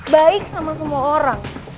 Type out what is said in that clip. baik sama semua orang